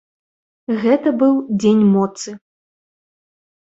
Гэта быў дзень моцы.